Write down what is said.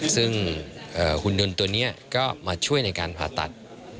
ซึ่งหุ่นยนต์ตัวนี้ก็มาช่วยในการผ่าตัด